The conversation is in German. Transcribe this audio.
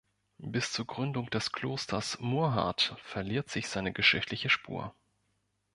Bis zur Gründung des Klosters Murrhardt verliert sich seine geschichtliche Spur.